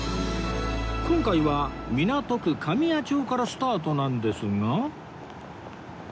今回は港区神谷町からスタートなんですが